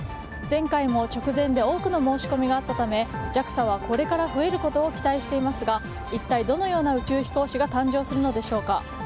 前回も直前で多くの申し込みがあったためＪＡＸＡはこれから増えることを期待していますが一体どのような宇宙飛行士が誕生するのでしょうか。